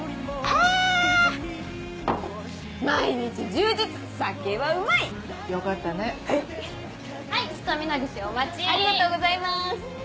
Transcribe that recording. ありがとうございます。